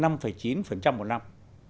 năm chín một năm